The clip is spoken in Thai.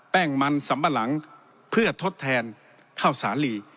แป้งมันสัมปะหลังเพื่อทดแทนข้าวสาลี